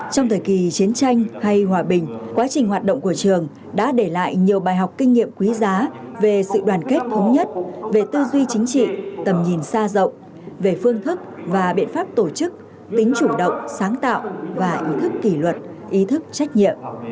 trong thời kỳ chiến tranh hay hòa bình quá trình hoạt động của trường đã để lại nhiều bài học kinh nghiệm quý giá về sự đoàn kết thống nhất về tư duy chính trị tầm nhìn xa rộng về phương thức và biện pháp tổ chức tính chủ động sáng tạo và ý thức kỷ luật ý thức trách nhiệm